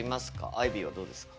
アイビーはどうですか？